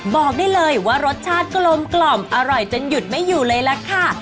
บอกได้เลยว่ารสชาติกลมกล่อมอร่อยจนหยุดไม่อยู่เลยล่ะค่ะ